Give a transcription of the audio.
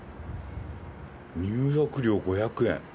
入浴料５００円。